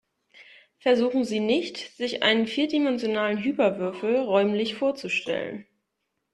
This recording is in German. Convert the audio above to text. Versuchen Sie nicht, sich einen vierdimensionalen Hyperwürfel räumlich vorzustellen.